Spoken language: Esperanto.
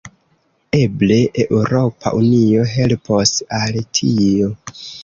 Eble Eŭropa Unio helpos al tio.